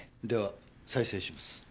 では再生します。